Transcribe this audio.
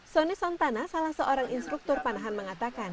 sony sontana salah seorang instruktur panahan mengatakan